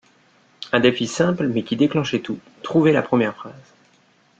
Un défi simple mais qui déclenchait tout: trouver la première phrase.